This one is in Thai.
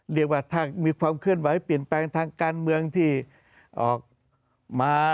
เรียกว่าถ้ามีความเคลื่อนไหวเปลี่ยนแปลงทางการเมืองที่ออกมา